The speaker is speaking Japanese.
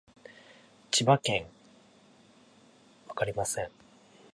千葉県鋸南町